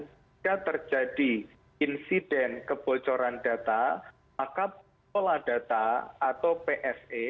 jika terjadi insiden kebocoran data maka pola data atau pse